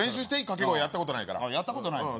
掛け声やったことないからやったことないの？